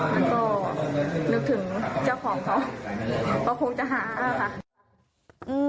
ก็นึกถึงเจ้าของเขาเขาคงจะหา